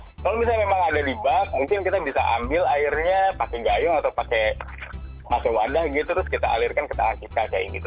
kalau misalnya memang ada di bak mungkin kita bisa ambil airnya pakai gayung atau pakai wadah gitu terus kita alirkan ke tangan kita kayak gitu